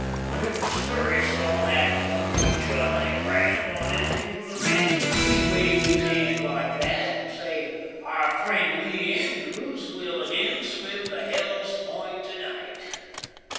Whenever Scurry saw that come meet your honey brand on anything from the ranch, he'd wave his hand like that, and say, 'Our friend Lee Andrews will again swim the Hell's point to night.